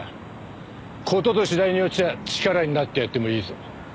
事と次第によっちゃあ力になってやってもいいぞ。